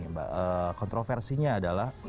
mbak kontroversinya adalah